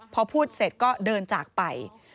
พอพูดเสร็จก็เดินจากไป